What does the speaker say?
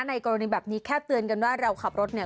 ในกรณีแบบนี้แค่เตือนกันว่าเราขับรถเนี่ย